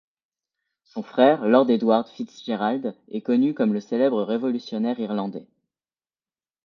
Son frère Lord Edward FitzGerald est connu comme le célèbre révolutionnaire irlandais.